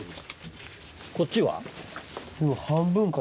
こっちは？